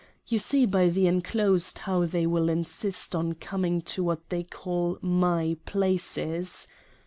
You see by the enclosed how they will insist on coming to what they call my Places.